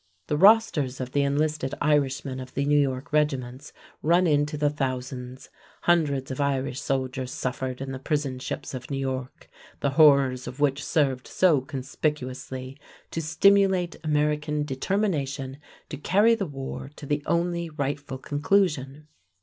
The rosters of the enlisted Irishmen of the New York regiments run into the thousands. Hundreds of Irish soldiers suffered in the prison ships of New York, the horrors of which served so conspicuously to stimulate American determination to carry the war to the only rightful conclusion.